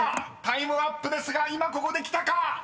［タイムアップですが今ここできたか⁉］